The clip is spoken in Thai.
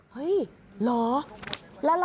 เฮ้ยเหรอ